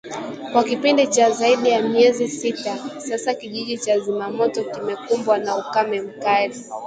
Kwa kipindi cha zaidi ya miezi sita sasa kijiji cha Zimamoto kimekumbwa na ukame mkali